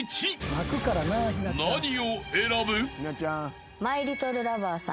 ［何を選ぶ？］